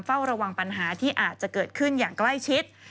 เฝ้าระวังปัญหาที่อาจจะเกิดขึ้นอย่างใกล้ชิด